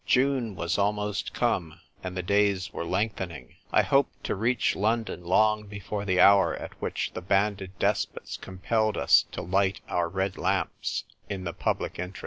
June was almost come, and the days were lengthening. I hoped to reach London long before the hour at which the Banded Despots compel us to light our red lamps in the public interest.